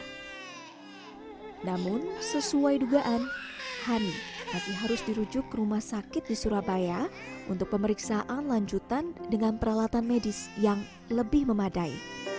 namun sesuai dugaan hani masih harus dirujuk ke rumah sakit di surabaya untuk pemeriksaan lanjutan dengan peralatan medis yang lebih memadai